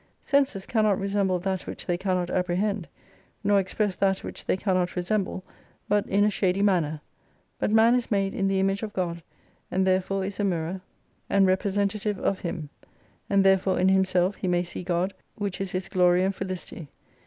Senses cannot resemble that which they cannot apprehend ; nor express that which they cannot resemble, but in a shady manner. But man is made in the Image of God, and therefore is a mirror and 96 representative of Him. And therefore in himself he may see God. which is his glory and felicity.